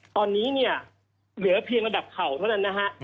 ตอนนี้เหลือเพียงระดับเข่าเท่านั้น